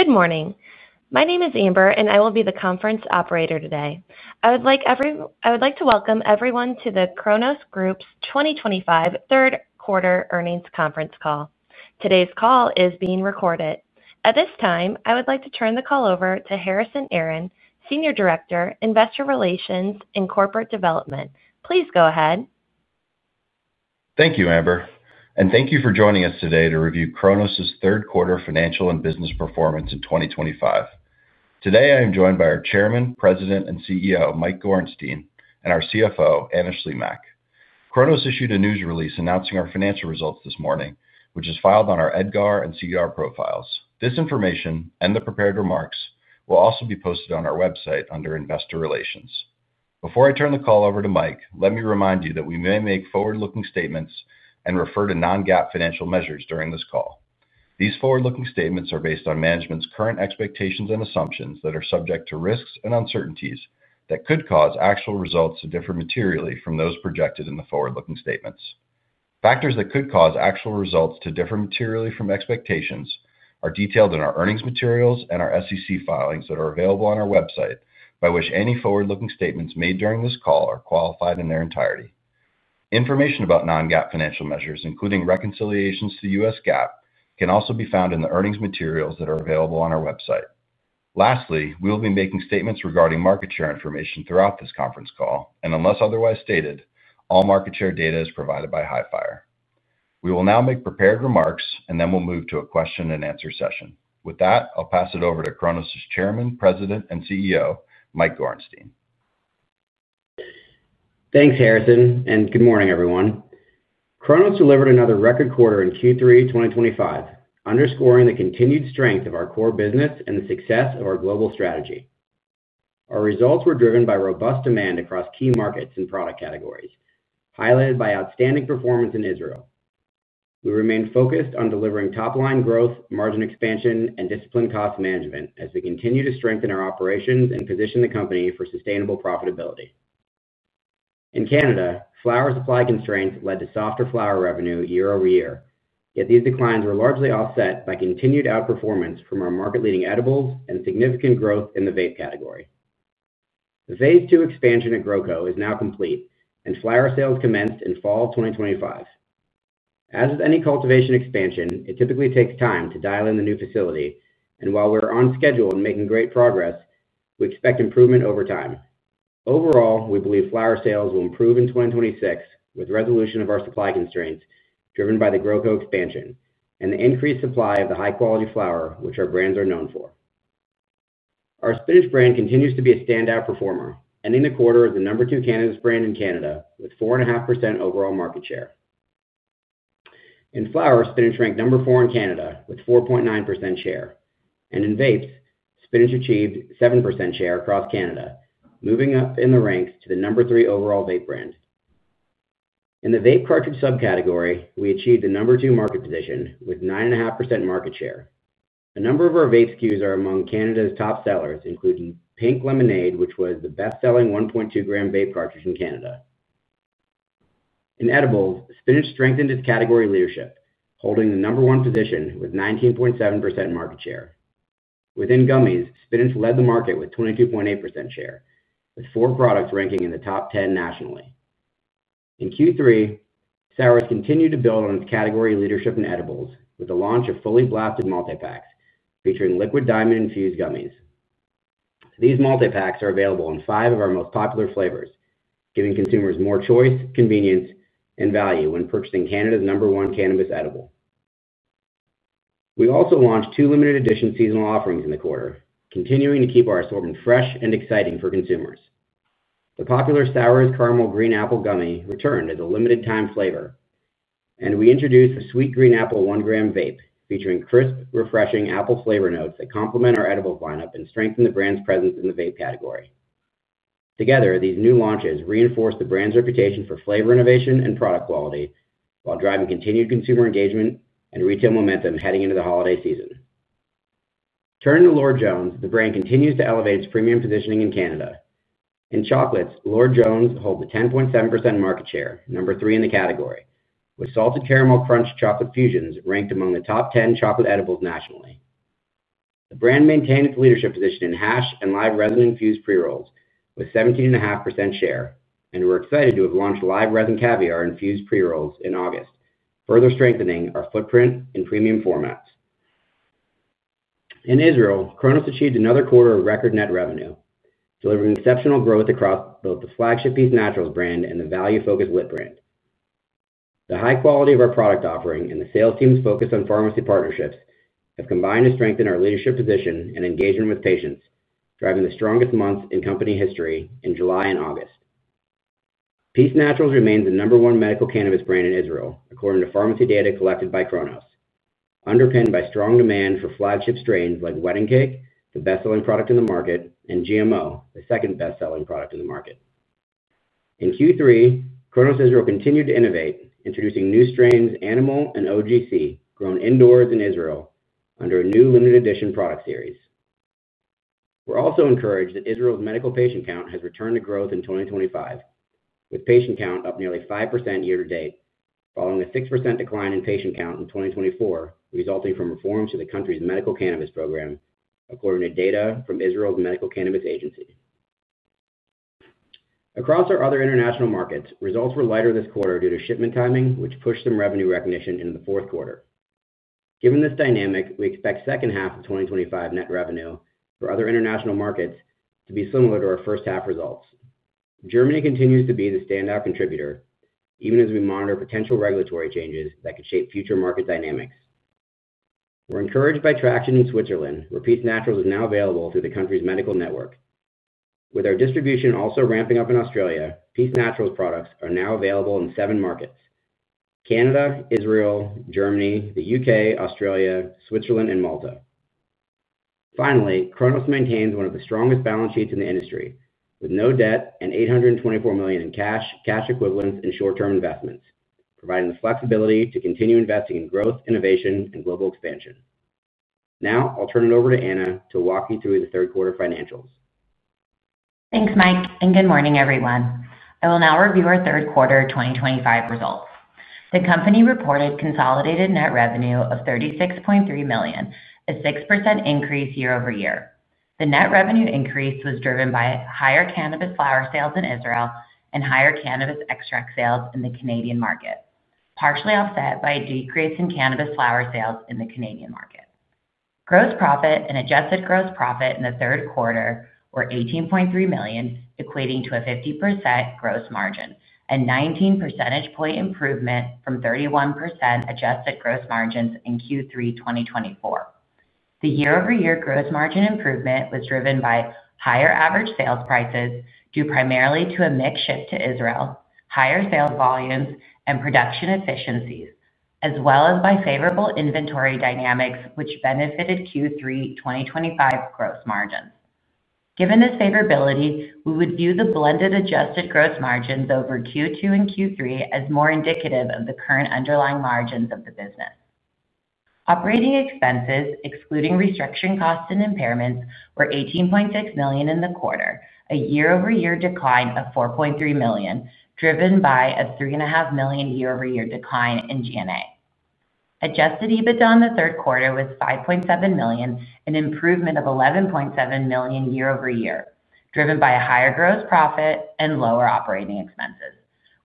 Good morning. My name is Amber, and I will be the conference operator today. I would like to welcome everyone to the Cronos Group's 2025 third-quarter earnings conference call. Today's call is being recorded. At this time, I would like to turn the call over to Harrison Aaron, Senior Director, Investor Relations and Corporate Development. Please go ahead. Thank you, Amber. Thank you for joining us today to review Cronos's third-quarter financial and business performance in 2025. Today, I am joined by our Chairman, President, and CEO, Mike Gorenstein, and our CFO, Anna Shlimak. Cronos issued a news release announcing our financial results this morning, which is filed on our EDGAR and CER profiles. This information and the prepared remarks will also be posted on our website under Investor Relations. Before I turn the call over to Mike, let me remind you that we may make forward-looking statements and refer to non-GAAP financial measures during this call. These forward-looking statements are based on management's current expectations and assumptions that are subject to risks and uncertainties that could cause actual results to differ materially from those projected in the forward-looking statements. Factors that could cause actual results to differ materially from expectations are detailed in our earnings materials and our SEC filings that are available on our website, by which any forward-looking statements made during this call are qualified in their entirety. Information about non-GAAP financial measures, including reconciliations to U.S. GAAP, can also be found in the earnings materials that are available on our website. Lastly, we will be making statements regarding market share information throughout this conference call, and unless otherwise stated, all market share data is provided by Hifyre. We will now make prepared remarks, and then we'll move to a question-and-answer session. With that, I'll pass it over to Cronos's Chairman, President, and CEO, Mike Gorenstein. Thanks, Harrison, and good morning, everyone. Cronos Group delivered another record quarter in Q3 2025, underscoring the continued strength of our core business and the success of our global strategy. Our results were driven by robust demand across key markets and product categories, highlighted by outstanding performance in Israel. We remained focused on delivering top-line growth, margin expansion, and disciplined cost management as we continue to strengthen our operations and position the company for sustainable profitability. In Canada, flower supply constraints led to softer flower revenue year-over-year, yet these declines were largely offset by continued outperformance from our market-leading edibles and significant growth in the vape category. The phase two expansion at GrowCo is now complete, and flower sales commenced in fall of 2025. As with any cultivation expansion, it typically takes time to dial in the new facility, and while we're on schedule and making great progress, we expect improvement over time. Overall, we believe flower sales will improve in 2026 with resolution of our supply constraints driven by the Groco expansion and the increased supply of the high-quality flower, which our brands are known for. Our Spinach brand continues to be a standout performer, ending the quarter as the number two cannabis brand in Canada with 4.5% overall market share. In flower, Spinach ranked number four in Canada with 4.9% share, and in vapes, Spinach achieved 7% share across Canada, moving up in the ranks to the number three overall vape brand. In the vape cartridge subcategory, we achieved the number two market position with 9.5% market share. A number of our vape SKUs are among Canada's top sellers, including Pink Lemonade, which was the best-selling 1.2 g vape cartridge in Canada. In edibles, Spinach strengthened its category leadership, holding the number one position with 19.7% market share. Within gummies, Spinach led the market with 22.8% share, with four products ranking in the top 10 nationally. In Q3, SOURZ has continued to build on its category leadership in edibles with the launch of fully blasted multi-packs featuring liquid diamond-infused gummies. These multi-packs are available in five of our most popular flavors, giving consumers more choice, convenience, and value when purchasing Canada's number one cannabis edible. We also launched two limited-edition seasonal offerings in the quarter, continuing to keep our assortment fresh and exciting for consumers. The popular SOURZ's Caramel Green Apple Gummy returned as a limited-time flavor, and we introduced the Sweet Green Apple 1 g vape, featuring crisp, refreshing apple flavor notes that complement our edible lineup and strengthen the brand's presence in the vape category. Together, these new launches reinforce the brand's reputation for flavor innovation and product quality while driving continued consumer engagement and retail momentum heading into the holiday season. Turning to Lord Jones, the brand continues to elevate its premium positioning in Canada. In chocolates, Lord Jones holds a 10.7% market share, number three in the category, with Salted Caramel Crunch Chocolate Fusions ranked among the top 10 chocolate edibles nationally. The brand maintained its leadership position in hash and live resin-infused pre-rolls with 17.5% share, and we're excited to have launched live resin caviar-infused pre-rolls in August, further strengthening our footprint in premium formats. In Israel, Cronos Group achieved another quarter of record net revenue, delivering exceptional growth across both the flagship Peace Naturals brand and the value-focused Lit brand. The high quality of our product offering and the sales team's focus on pharmacy partnerships have combined to strengthen our leadership position and engagement with patients, driving the strongest months in company history in July and August. Peace Naturals remains the number one medical cannabis brand in Israel, according to pharmacy data collected by Cronos, underpinned by strong demand for flagship strains like Wedding Cake, the best-selling product in the market, and GMO, the second best-selling product in the market. In Q3, Cronos Israel continued to innovate, introducing new strains Animal and OGC grown indoors in Israel under a new limited-edition product series. We're also encouraged that Israel's medical patient count has returned to growth in 2025, with patient count up nearly 5% year-to-date, following a 6% decline in patient count in 2024, resulting from reforms to the country's medical cannabis program, according to data from Israel's Medical Cannabis Agency. Across our other international markets, results were lighter this quarter due to shipment timing, which pushed some revenue recognition into the fourth quarter. Given this dynamic, we expect the second half of 2025 net revenue for other international markets to be similar to our first-half results. Germany continues to be the standout contributor, even as we monitor potential regulatory changes that could shape future market dynamics. We're encouraged by traction in Switzerland, where Peace Naturals is now available through the country's medical network. With our distribution also ramping up in Australia, Peace Naturals products are now available in seven markets: Canada, Israel, Germany, the U.K., Australia, Switzerland, and Malta. Finally, Cronos maintains one of the strongest balance sheets in the industry, with no debt and $824 million in cash, cash equivalents, and short-term investments, providing the flexibility to continue investing in growth, innovation, and global expansion. Now, I'll turn it over to Anna to walk you through the third-quarter financials. Thanks, Mike, and good morning, everyone. I will now review our third-quarter 2025 results. The company reported consolidated net revenue of $36.3 million, a 6% increase year-over-year. The net revenue increase was driven by higher cannabis flower sales in Israel and higher cannabis extract sales in the Canadian market, partially offset by a decrease in cannabis flower sales in the Canadian market. Gross profit and adjusted gross profit in the third quarter were $18.3 million, equating to a 50% gross margin, a 19 percentage point improvement from 31% adjusted gross margins in Q3 2024. The year-over-year gross margin improvement was driven by higher average sales prices due primarily to a mix shift to Israel, higher sales volumes, and production efficiencies, as well as by favorable inventory dynamics, which benefited Q3 2025 gross margins. Given this favorability, we would view the blended adjusted gross margins over Q2 and Q3 as more indicative of the current underlying margins of the business. Operating expenses, excluding restriction costs and impairments, were $18.6 million in the quarter, a year-over-year decline of $4.3 million, driven by a $3.5 million year-over-year decline in G&A. Adjusted EBITDA in the third quarter was $5.7 million, an improvement of $11.7 million year-over-year, driven by a higher gross profit and lower operating expenses.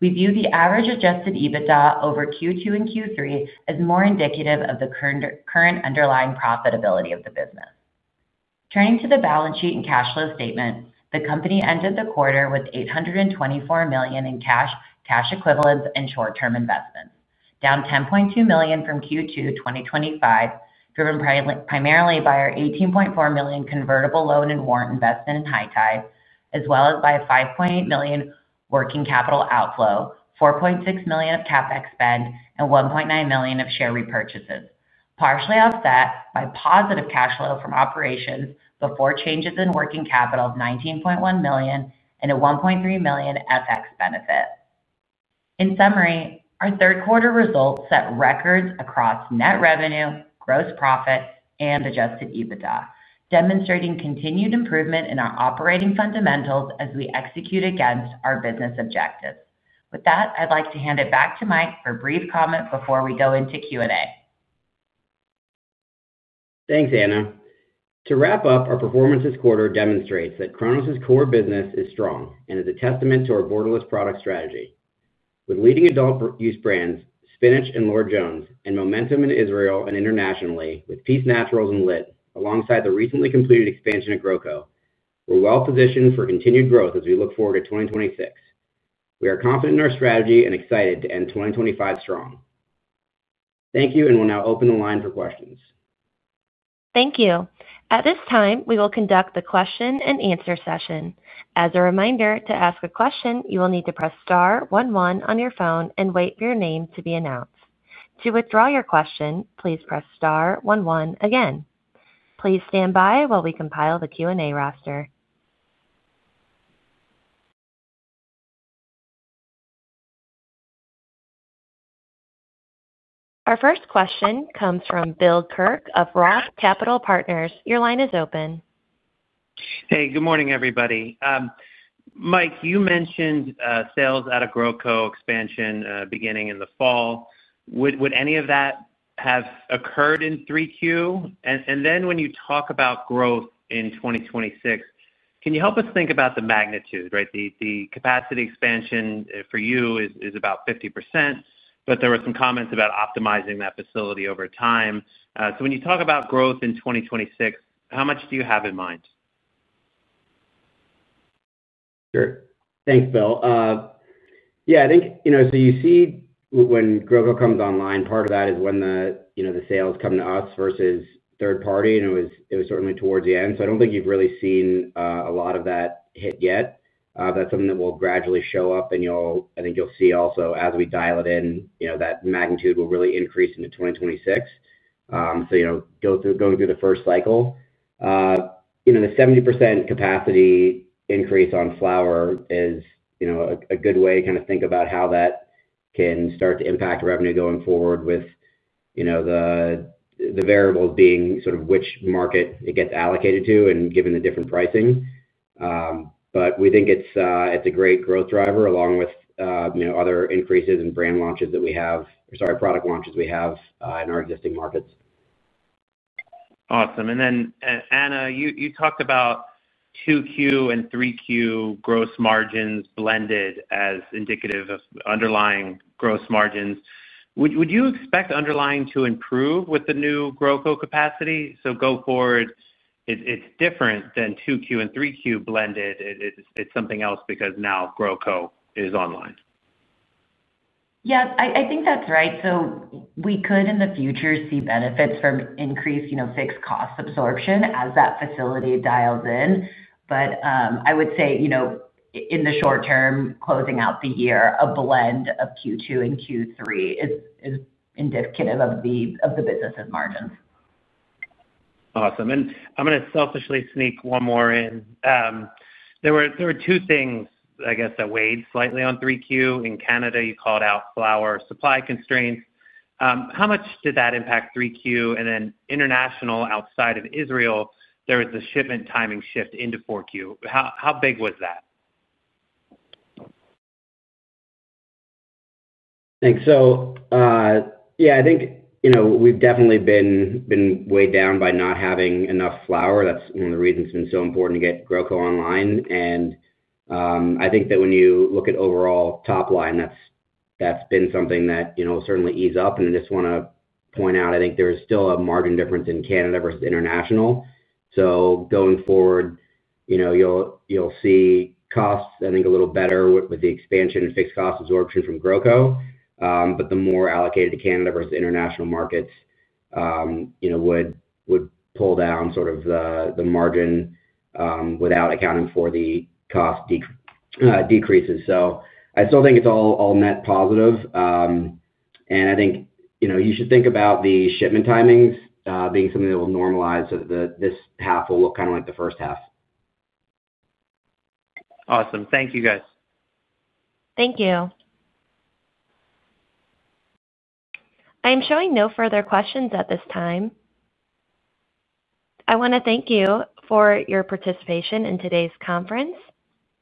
We view the average Adjusted EBITDA over Q2 and Q3 as more indicative of the current underlying profitability of the business. Turning to the balance sheet and cash flow statement, the company ended the quarter with $824 million in cash, cash equivalents, and short-term investments, down $10.2 million from Q2 2025, driven primarily by our $18.4 million convertible loan and warrant investment in High Tide, as well as by $5.8 million working capital outflow, $4.6 million of CapEx spend, and $1.9 million of share repurchases, partially offset by positive cash flow from operations before changes in working capital of $19.1 million and a $1.3 million FX benefit. In summary, our third-quarter results set records across net revenue, gross profit, and Adjusted EBITDA, demonstrating continued improvement in our operating fundamentals as we execute against our business objectives. With that, I'd like to hand it back to Mike for a brief comment before we go into Q&A. Thanks, Anna. To wrap up, our performance this quarter demonstrates that Cronos's core business is strong and is a testament to our borderless product strategy. With leading adult use brands, Spinach and Lord Jones, and momentum in Israel and internationally with Peace Naturals and Lit, alongside the recently completed expansion at GrowCo, we're well positioned for continued growth as we look forward to 2026. We are confident in our strategy and excited to end 2025 strong. Thank you, and we'll now open the line for questions. Thank you. At this time, we will conduct the question-and-answer session. As a reminder, to ask a question, you will need to press star one one on your phone and wait for your name to be announced. To withdraw your question, please press star one one again. Please stand by while we compile the Q&A roster. Our first question comes from Bill Kirk of Roth Capital Partners. Your line is open. Hey, good morning, everybody. Mike, you mentioned sales out of Groco expansion beginning in the fall. Would any of that have occurred in 3Q? When you talk about growth in 2026, can you help us think about the magnitude, right? The capacity expansion for you is about 50%, but there were some comments about optimizing that facility over time. When you talk about growth in 2026, how much do you have in mind? Sure. Thanks, Bill. Yeah, I think, you know, so you see when Groco comes online, part of that is when the sales come to us versus third-party, and it was certainly towards the end. I don't think you've really seen a lot of that hit yet. That's something that will gradually show up, and I think you'll see also as we dial it in, that magnitude will really increase into 2026. You know, going through the first cycle. The 70% capacity increase on flower is a good way to kind of think about how that can start to impact revenue going forward, with the variables being sort of which market it gets allocated to and given the different pricing. We think it's a great growth driver along with other increases in brand launches that we have, or sorry, product launches we have in our existing markets. Awesome. Anna, you talked about 2Q and 3Q gross margins blended as indicative of underlying gross margins. Would you expect underlying to improve with the new Groco capacity? Go forward, it is different than 2Q and 3Q blended. It is something else because now Groco is online. Yeah, I think that's right. We could, in the future, see benefits from increased fixed cost absorption as that facility dials in. I would say, in the short term, closing out the year, a blend of Q2 and Q3 is indicative of the business's margins. Awesome. I'm going to selfishly sneak one more in. There were two things, I guess, that weighed slightly on 3Q. In Canada, you called out flower supply constraints. How much did that impact 3Q? Then international, outside of Israel, there was the shipment timing shift into 4Q. How big was that? Thanks. Yeah, I think we've definitely been weighed down by not having enough flower. That's one of the reasons it's been so important to get Groco online. I think that when you look at overall top line, that's been something that certainly eased up. I just want to point out, I think there is still a margin difference in Canada versus international. Going forward, you'll see costs, I think, a little better with the expansion and fixed cost absorption from Groco. The more allocated to Canada versus international markets would pull down sort of the margin without accounting for the cost decreases. I still think it's all net positive. I think you should think about the shipment timings being something that will normalize so that this half will look kind of like the first half. Awesome. Thank you, guys. Thank you. I am showing no further questions at this time. I want to thank you for your participation in today's conference.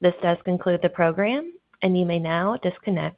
This does conclude the program, and you may now disconnect.